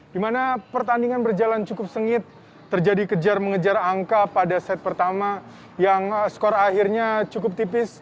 di mana pertandingan berjalan cukup sengit terjadi kejar mengejar angka pada set pertama yang skor akhirnya cukup tipis